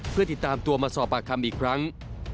เพื่อติดตามตัวมาสอบปากคำอีกครั้ง